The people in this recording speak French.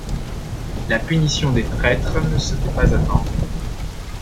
La punition des traîtres ne se fait pas attendre.